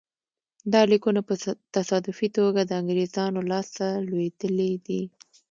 دا لیکونه په تصادفي توګه د انګرېزانو لاسته لوېدلي دي.